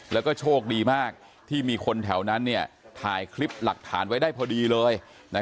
แล้วก็โชคดีมากที่มีคนแถวนั้นถ่ายคลิปหลักฐานไว้ได้พอดีเลย